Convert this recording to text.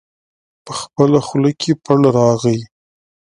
په خپله خوله کې پړ راغی.